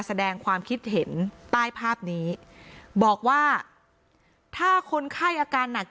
แสดงความคิดเห็นใต้ภาพนี้บอกว่าถ้าคนไข้อาการหนัก